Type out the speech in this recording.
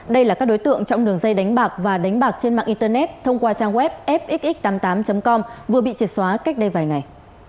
đây là các đối tượng trong đường dây đánh bạc và đánh bạc trên mạng internet thông qua trang web fxx tám mươi tám com vừa bị triệt xóa cách đây vài ngày